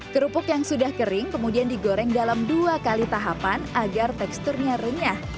kerupuk yang sudah kering kemudian digoreng dalam dua kali tahapan agar teksturnya renyah